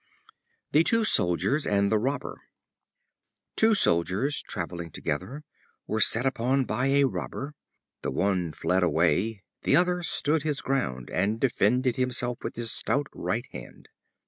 The Two Soldiers and the Robber. Two Soldiers, traveling together, were set upon by a Robber. The one fled away; the other stood his ground, and defended himself with his stout right hand.